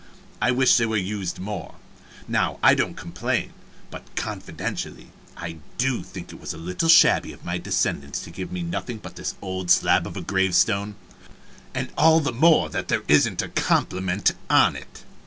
I wish they were used more. Now I don't complain, but confidentially I do think it was a little shabby in my descendants to give me nothing but this old slab of a gravestone and all the more that there isn't a compliment on it.